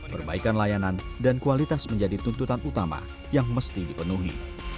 perbaikan layanan dan kualitas menjadi tuntutan utama yang mesti dipenuhi